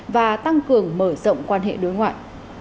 và tăng cường mở rộng quan hệ đối ngoại